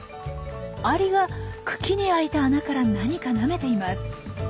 アリが茎に開いた穴から何かなめています。